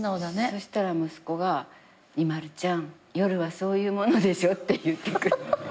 そしたら息子が「ＩＭＡＬＵちゃん夜はそういうものでしょ」って。